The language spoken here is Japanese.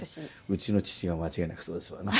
うちの父が間違いなくそうですわな。